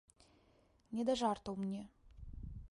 Не да жартаў мне.